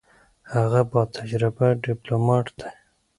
هغه با تجربه ډیپلوماټ دی.